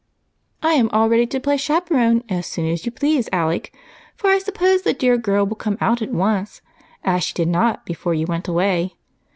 "I am all ready to play chaperon as soon as you please, Alec, for I suppose the dear girl will come out at once, as she did not before you went away.